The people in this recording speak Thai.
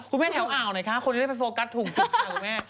คุณแม่แถวอ่าวหน่อยคะคนที่ได้ไปโฟกัสถุงคุณแม่